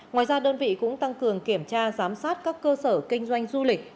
ngoài ra đơn vị cũng tăng cường kiểm tra giám sát các cơ sở kinh doanh du lịch